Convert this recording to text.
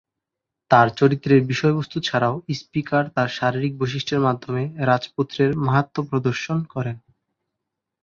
তাঁর চরিত্রের বিষয়বস্তু ছাড়াও স্পিকার তার শারীরিক বৈশিষ্ট্যের মাধ্যমে রাজপুত্রের মাহাত্ম্য প্রদর্শন করে।